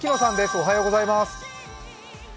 おはようございます。